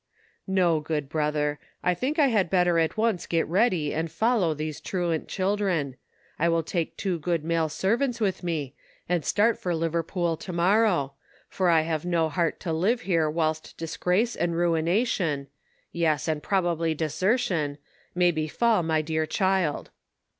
68 THE SOCIAL WAR OF 1900; OR, " N'o, good brother ; I think I had better at once get ready and follow these truant children, I will take two good male servants with me, and start for Liverpool to morrow, for I have no heart to live here whilst disgrace and ruination — yes, and probably desertion — may befall my dear child.